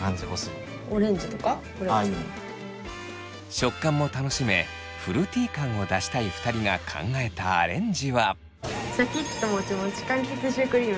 食感も楽しめフルーティ感を出したい２人が考えたアレンジは。